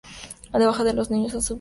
Dejaba a los niños subirse a su grupa.